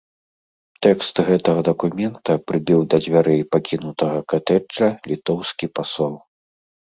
Тэкст гэтага дакумента прыбіў да дзвярэй пакінутага катэджа літоўскі пасол.